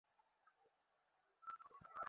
অর্থাৎ-আজওয়া জান্নাতের ফল-ফলাদির সাথে সাদৃশ্য রাখে।